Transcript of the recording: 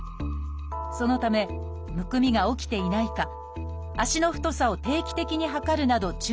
そのためむくみが起きていないか足の太さを定期的に測るなど注意していました。